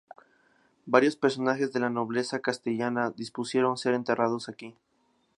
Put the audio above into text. Varios personajes de la nobleza castellana dispusieron ser enterrados aquí.